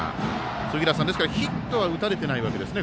杉浦さん、ですからヒットは打たれてないわけですね。